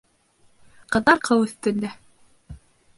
Ҡыҙҙар ҡыл өҫтөндә